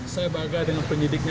saya bahagia dengan penyidiknya